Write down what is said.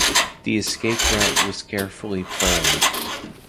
The escape route was carefully planned.